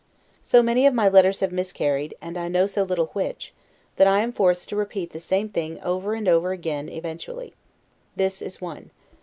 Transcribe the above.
So many of my letters have miscarried, and I know so little which, that I am forced to repeat the same thing over and over again eventually. This is one.